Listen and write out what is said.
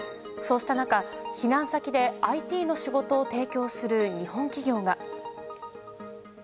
そうした中、避難先でＩＴの仕事を提供する日本企業が。